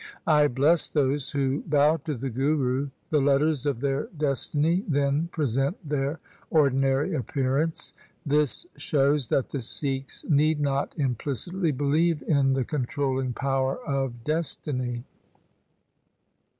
I bless those who bow to the Guru. The letters of their destiny then present their ordinary appearance.' This shows that the Sikhs need not implicitly believe in the con trolling power of destiny.